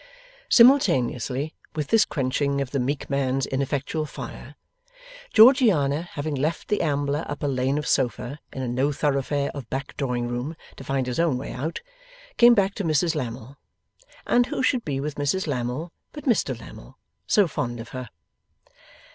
Simultaneously with this quenching of the meek man's ineffectual fire; Georgiana having left the ambler up a lane of sofa, in a No Thoroughfare of back drawing room, to find his own way out, came back to Mrs Lammle. And who should be with Mrs Lammle, but Mr Lammle. So fond of her!